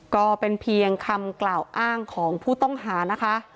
ก็เป็นเพียงคำกล่าวอ้างของผู้ต้องหานะคะ